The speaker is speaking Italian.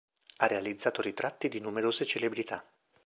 Ha realizzato ritratti di numerose celebrità.